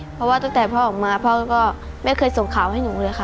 เพราะว่าตั้งแต่พ่อออกมาพ่อก็ไม่เคยส่งข่าวให้หนูเลยค่ะ